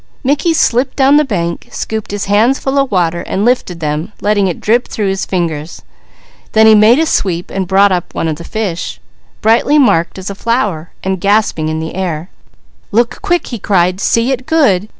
Mickey slipped down the bank, scooped his hands full of water, and lifted them, letting it drip through his fingers. Then he made a sweep and brought up one of the fish, brightly marked as a flower, and gasping in the air. "Look quick!" he cried. "See it good!